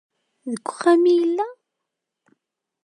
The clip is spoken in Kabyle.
Deg uxxam i yella?